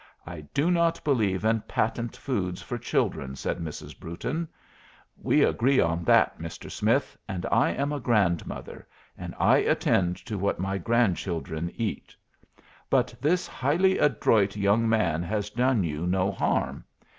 "I do not believe in patent foods for children," said Mrs. Brewton. "We agree on that, Mr. Smith, and I am a grandmother, and I attend to what my grandchildren eat. But this highly adroit young man has done you no harm.